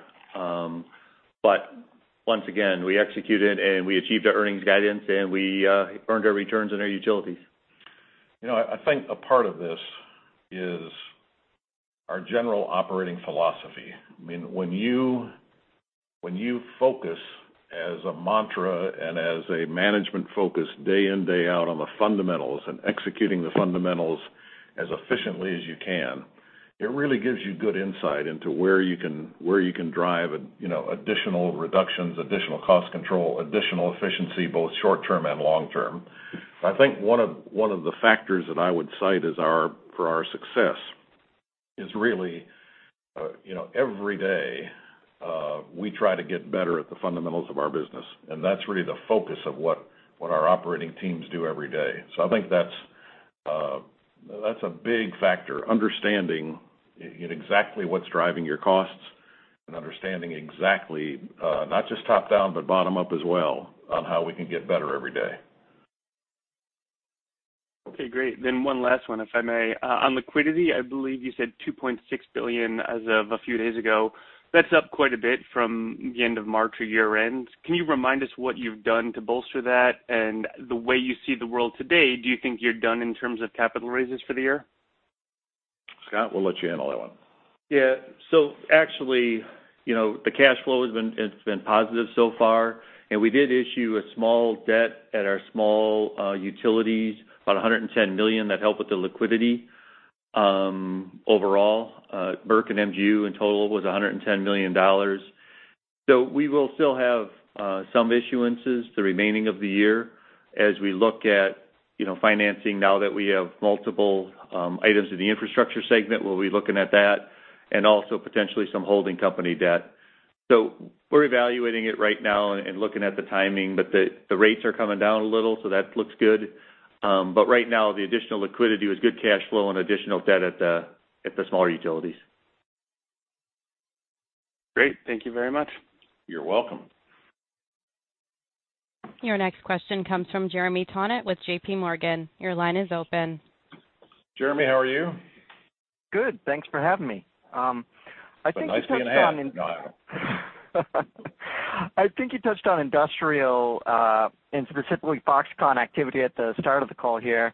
Once again, we executed and we achieved our earnings guidance, and we earned our returns on our utilities. I think a part of this is our general operating philosophy. When you focus as a mantra and as a management focus day in, day out on the fundamentals, and executing the fundamentals as efficiently as you can, it really gives you good insight into where you can drive additional reductions, additional cost control, additional efficiency, both short-term and long-term. I think one of the factors that I would cite for our success is really every day, we try to get better at the fundamentals of our business, and that's really the focus of what our operating teams do every day. I think that's a big factor, understanding exactly what's driving your costs and understanding exactly, not just top-down, but bottom-up as well, on how we can get better every day. Okay, great. One last one, if I may. On liquidity, I believe you said $2.6 billion as of a few days ago. That's up quite a bit from the end of March or year-end. Can you remind us what you've done to bolster that? The way you see the world today, do you think you're done in terms of capital raises for the year? Scott, we'll let you handle that one. Actually, the cash flow has been positive so far, and we did issue a small debt at our small utilities, about $110 million. That helped with the liquidity. Overall, MERC and MGU in total was $110 million. We will still have some issuances the remaining of the year as we look at financing now that we have multiple items in the infrastructure segment, we'll be looking at that, and also potentially some holding company debt. We're evaluating it right now and looking at the timing, the rates are coming down a little, that looks good. Right now, the additional liquidity is good cash flow and additional debt at the smaller utilities. Great. Thank you very much. You're welcome. Your next question comes from Jeremy Tonet with JPMorgan. Your line is open. Jeremy, how are you? Good, thanks for having me. Been nice being ahead. I think you touched on industrial, and specifically Foxconn activity at the start of the call here.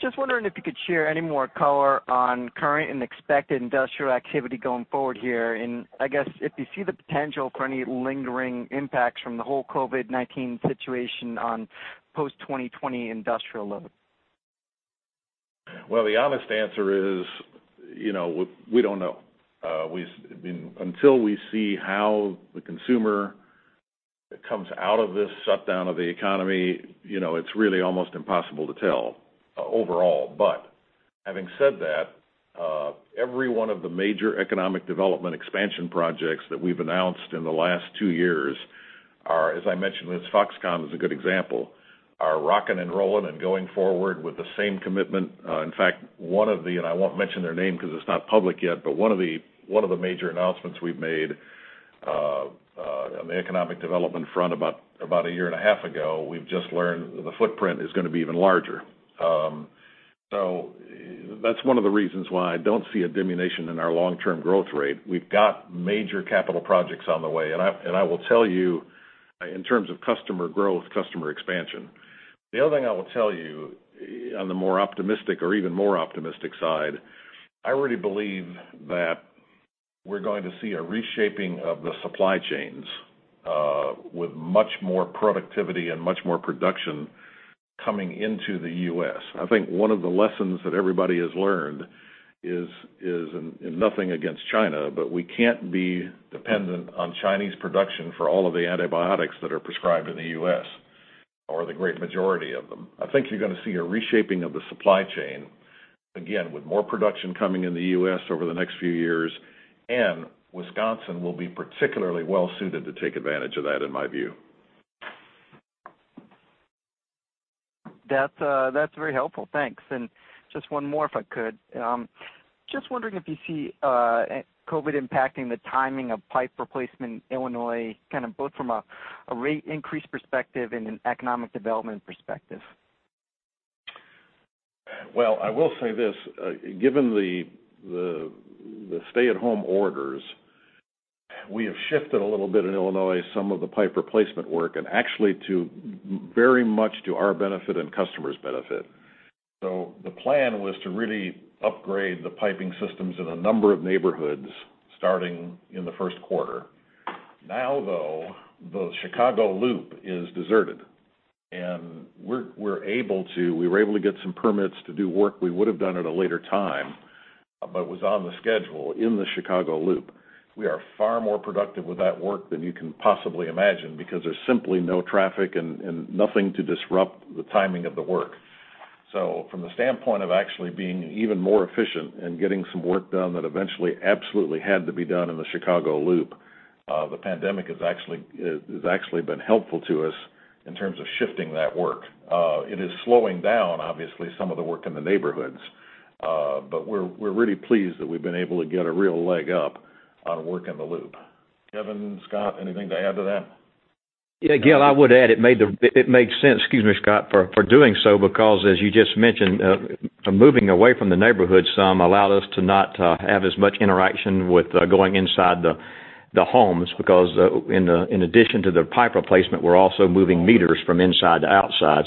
Just wondering if you could share any more color on current and expected industrial activity going forward here, and I guess if you see the potential for any lingering impacts from the whole COVID-19 situation on post-2020 industrial load. Well, the honest answer is, we don't know. Until we see how the consumer comes out of this shutdown of the economy, it's really almost impossible to tell overall. But having said that, every one of the major economic development expansion projects that we've announced in the last two years are, as I mentioned, Foxconn is a good example, are rocking and rolling and going forward with the same commitment. In fact, one of the, and I won't mention their name because it's not public yet, but one of the major announcements we've made on the economic development front about a year and a half ago, we've just learned the footprint is going to be even larger. That's one of the reasons why I don't see a diminution in our long-term growth rate. We've got major capital projects on the way, and I will tell you in terms of customer growth, customer expansion. The other thing I will tell you on the more optimistic or even more optimistic side, I really believe that we're going to see a reshaping of the supply chains, with much more productivity and much more production coming into the U.S. I think one of the lessons that everybody has learned is, and nothing against China, but we can't be dependent on Chinese production for all of the antibiotics that are prescribed in the U.S., or the great majority of them. I think you're going to see a reshaping of the supply chain, again, with more production coming in the U.S. over the next few years, and Wisconsin will be particularly well-suited to take advantage of that, in my view. That's very helpful. Thanks. Just one more, if I could. Just wondering if you see COVID impacting the timing of pipe replacement in Illinois, kind of both from a rate increase perspective and an economic development perspective. Well, I will say this. Given the stay-at-home orders. We have shifted a little bit in Illinois, some of the pipe replacement work, and actually very much to our benefit and customers' benefit. The plan was to really upgrade the piping systems in a number of neighborhoods starting in the first quarter. Now, though, the Chicago Loop is deserted, and we were able to get some permits to do work we would've done at a later time, but was on the schedule in the Chicago Loop. We are far more productive with that work than you can possibly imagine because there's simply no traffic and nothing to disrupt the timing of the work. From the standpoint of actually being even more efficient and getting some work done that eventually absolutely had to be done in the Chicago Loop, the pandemic has actually been helpful to us in terms of shifting that work. It is slowing down, obviously, some of the work in the neighborhoods. But we're really pleased that we've been able to get a real leg up on work in the Loop. Kevin, Scott, anything to add to that? Yeah, Gale, I would add it made sense, excuse me, Scott, for doing so because, as you just mentioned, moving away from the neighborhood some allowed us to not have as much interaction with going inside the homes because, in addition to the pipe replacement, we're also moving meters from inside to outside.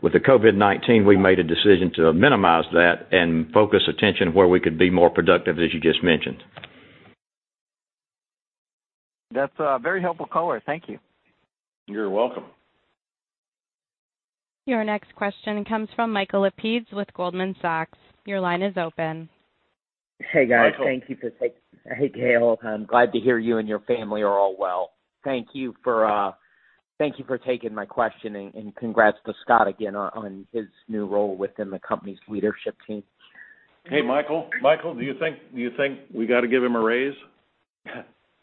With the COVID-19, we made a decision to minimize that and focus attention where we could be more productive, as you just mentioned. That's very helpful color. Thank you. You're welcome. Your next question comes from Michael Lapides with Goldman Sachs. Your line is open. Hey, guys. Michael. Hey, Gale. I'm glad to hear you and your family are all well. Thank you for taking my question and congrats to Scott again on his new role within the company's leadership team. Hey, Michael. Michael, do you think we got to give him a raise?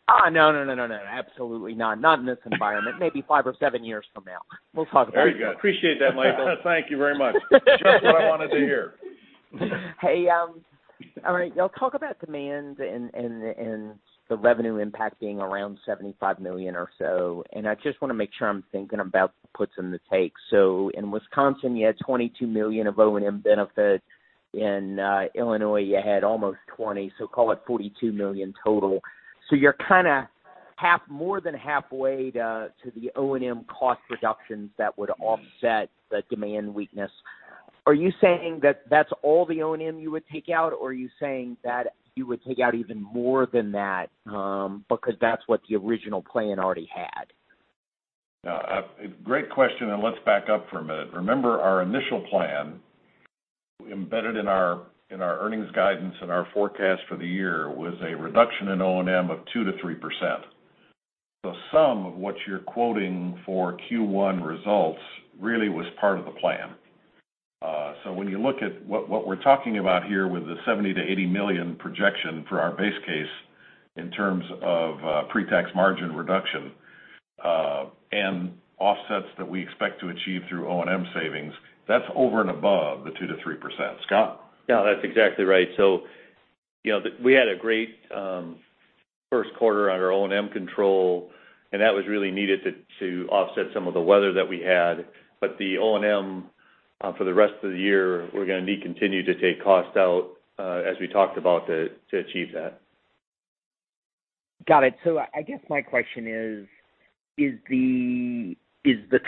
No, absolutely not in this environment. Maybe five or seven years from now. We'll talk about it then. There you go. Appreciate that, Michael. Thank you very much. Just what I wanted to hear. Y'all talk about demand and the revenue impact being around $75 million or so, I just want to make sure I'm thinking about the puts and the takes. In Wisconsin, you had $22 million of O&M benefit. In Illinois, you had almost $20, call it $42 million total. You're kind of more than halfway to the O&M cost reductions that would offset the demand weakness. Are you saying that that's all the O&M you would take out, or are you saying that you would take out even more than that because that's what the original plan already had? Great question. Let's back up for a minute. Remember our initial plan embedded in our earnings guidance and our forecast for the year was a reduction in O&M of 2%-3%. The sum of what you're quoting for Q1 results really was part of the plan. When you look at what we're talking about here with the $70 million-$80 million projection for our base case in terms of pre-tax margin reduction, and offsets that we expect to achieve through O&M savings, that's over and above the 2%-3%. Scott? Yeah, that's exactly right. We had a great first quarter on our O&M control, and that was really needed to offset some of the weather that we had. The O&M, for the rest of the year, we're going to need to continue to take costs out, as we talked about, to achieve that. Got it. I guess my question is the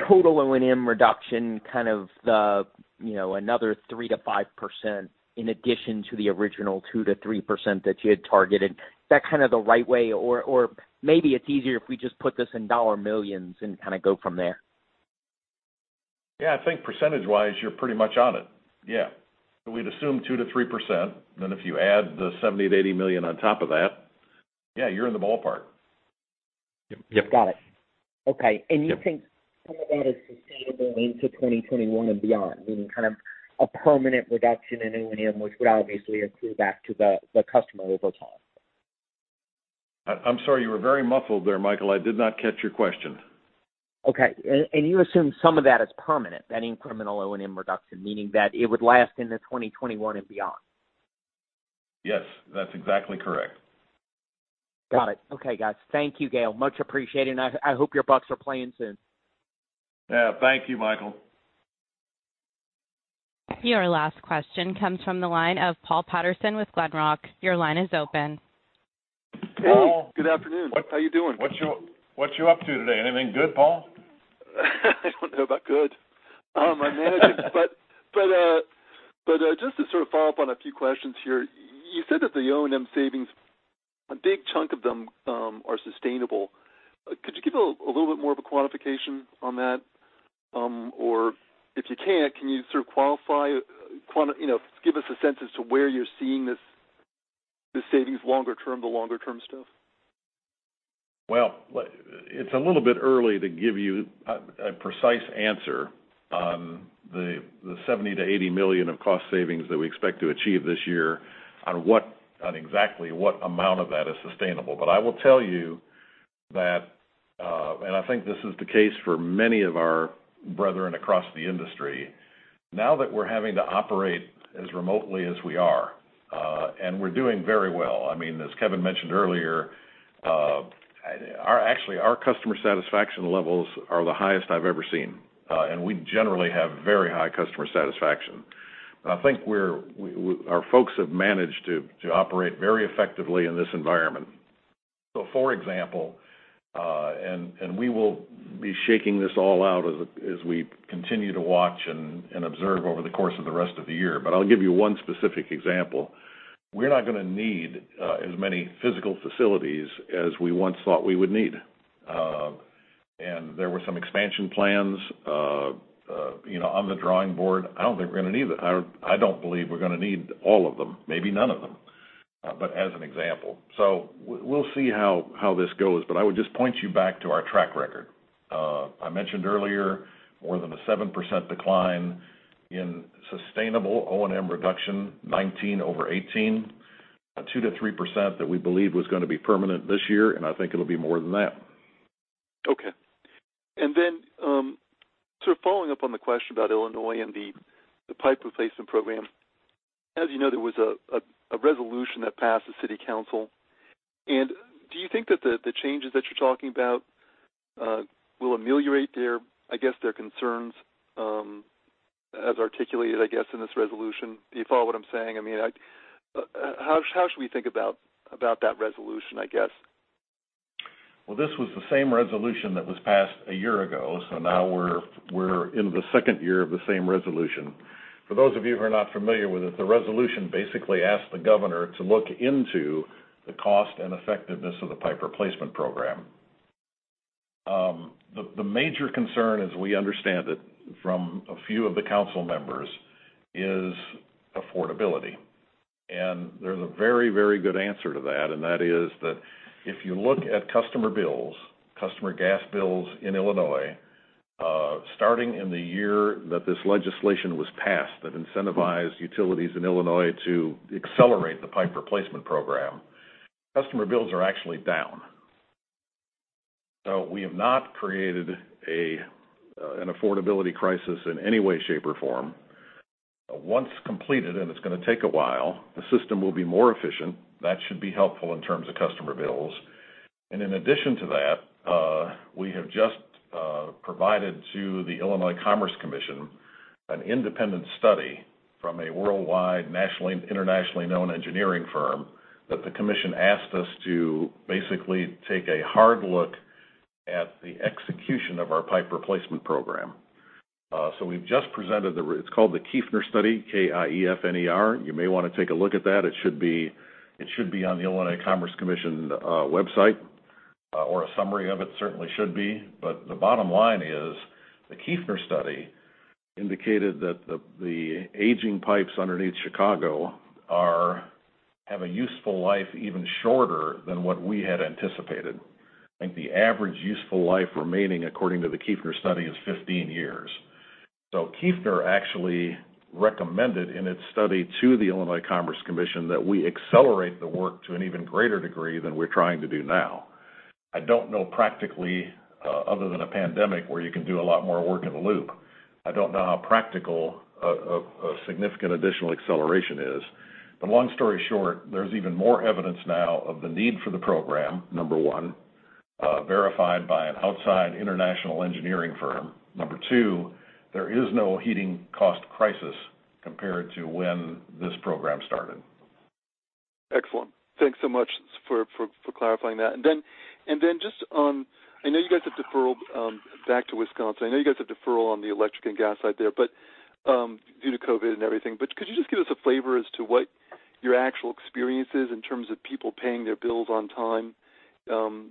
total O&M reduction kind of another 3%-5% in addition to the original 2%-3% that you had targeted? Is that kind of the right way, or maybe it's easier if we just put this in $ million and kind of go from there? Yeah, I think percentage-wise, you're pretty much on it. Yeah. We'd assume 2%-3%, and then if you add the $70 million-$80 million on top of that, yeah, you're in the ballpark. Yep. Got it. Okay. Yep. You think some of that is sustainable into 2021 and beyond, meaning kind of a permanent reduction in O&M, which would obviously accrue back to the customer over time? I'm sorry, you were very muffled there, Michael. I did not catch your question. Okay. You assume some of that is permanent, that incremental O&M reduction, meaning that it would last into 2021 and beyond? Yes, that's exactly correct. Got it. Okay, guys. Thank you, Gale. Much appreciated, and I hope your Bucks are playing soon. Yeah. Thank you, Michael. Your last question comes from the line of Paul Patterson with Glenrock. Your line is open. Paul. Hey, good afternoon. What's-- How you doing? What you up to today? Anything good, Paul? I don't know about good. I'm managing. Just to sort of follow up on a few questions here, you said that the O&M savings, a big chunk of them are sustainable. Could you give a little bit more of a quantification on that? If you can't, can you sort of qualify, give us a sense as to where you're seeing these savings longer-term, the longer-term stuff? It's a little bit early to give you a precise answer on the $70 million-$80 million of cost savings that we expect to achieve this year on exactly what amount of that is sustainable. I will tell you that, and I think this is the case for many of our brethren across the industry, now that we're having to operate as remotely as we are, and we're doing very well. I mean, as Kevin mentioned earlier, actually our customer satisfaction levels are the highest I've ever seen. We generally have very high customer satisfaction. I think our folks have managed to operate very effectively in this environment. For example, and we will be shaking this all out as we continue to watch and observe over the course of the rest of the year, but I'll give you one specific example. We're not going to need as many physical facilities as we once thought we would need. There were some expansion plans on the drawing board. I don't believe we're going to need all of them, maybe none of them. As an example. We'll see how this goes, but I would just point you back to our track record. I mentioned earlier, more than a 7% decline in sustainable O&M reduction, 2019 over 2018, 2%-3% that we believe was going to be permanent this year, and I think it'll be more than that. Okay. Sort of following up on the question about Illinois and the pipe replacement program, as you know, there was a resolution that passed the city council, and do you think that the changes that you're talking about will ameliorate their concerns as articulated, I guess, in this resolution? Do you follow what I'm saying? How should we think about that resolution, I guess? Well, this was the same resolution that was passed a year ago, so now we're in the second year of the same resolution. For those of you who are not familiar with it, the resolution basically asked the governor to look into the cost and effectiveness of the pipe replacement program. The major concern, as we understand it from a few of the council members, is affordability. There's a very good answer to that, and that is that if you look at customer bills, customer gas bills in Illinois, starting in the year that this legislation was passed that incentivized utilities in Illinois to accelerate the pipe replacement program, customer bills are actually down. We have not created an affordability crisis in any way, shape, or form. Once completed, and it's going to take a while, the system will be more efficient. That should be helpful in terms of customer bills. In addition to that, we have just provided to the Illinois Commerce Commission an independent study from a worldwide, internationally known engineering firm, that the commission asked us to basically take a hard look at the execution of our pipe replacement program. We've just presented the, it's called the Kiefner study, K-I-E-F-N-E-R. You may want to take a look at that. It should be on the Illinois Commerce Commission website, or a summary of it certainly should be. The bottom line is the Kiefner study indicated that the aging pipes underneath Chicago have a useful life even shorter than what we had anticipated. I think the average useful life remaining, according to the Kiefner study, is 15 years. Kiefner actually recommended in its study to the Illinois Commerce Commission that we accelerate the work to an even greater degree than we're trying to do now. I don't know practically, other than a pandemic where you can do a lot more work in a loop, I don't know how practical a significant additional acceleration is. Long story short, there's even more evidence now of the need for the program, number one, verified by an outside international engineering firm. Number two, there is no heating cost crisis compared to when this program started. Excellent. Thanks so much for clarifying that. Just on, I know you guys have deferral back to Wisconsin. I know you guys have deferral on the electric and gas side there, due to COVID-19 and everything, but could you just give us a flavor as to what your actual experience is in terms of people paying their bills on time over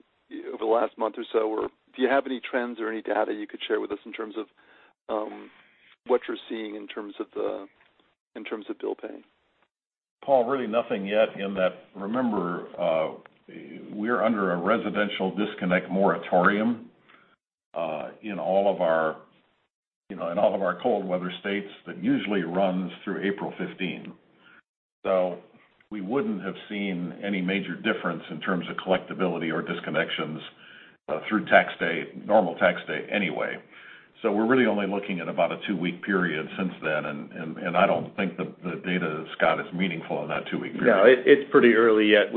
the last month or so? Do you have any trends or any data you could share with us in terms of what you're seeing in terms of bill paying? Paul, really nothing yet in that, remember, we're under a residential disconnect moratorium in all of our cold weather states that usually runs through April 15. We wouldn't have seen any major difference in terms of collectability or disconnections through tax day, normal tax day anyway. We're really only looking at about a two-week period since then, and I don't think the data that Scott has is meaningful in that two-week period. No, it's pretty early yet.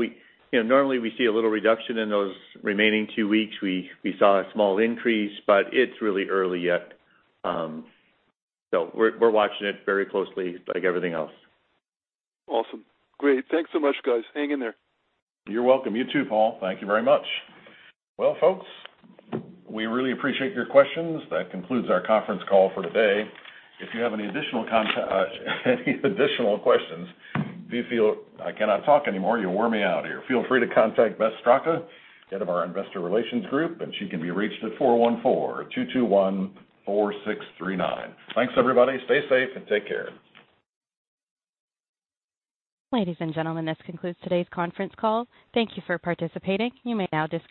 Normally we see a little reduction in those remaining two weeks. We saw a small increase, but it's really early yet. We're watching it very closely like everything else. Awesome. Great. Thanks so much, guys. Hang in there. You're welcome. You too, Paul. Thank you very much. Well, folks, we really appreciate your questions. That concludes our conference call for today. If you have any additional questions, if you feel I cannot talk anymore, you wore me out here, feel free to contact Beth Straka, head of our investor relations group, and she can be reached at 414-221-4639. Thanks, everybody. Stay safe and take care. Ladies and gentlemen, this concludes today's conference call. Thank you for participating. You may now disconnect.